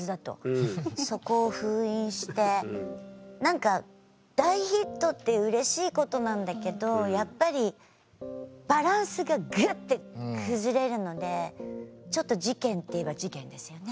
そこを封印して大ヒットってうれしいことなんだけどやっぱりバランスがグッて崩れるのでちょっと事件っていえば事件ですよね。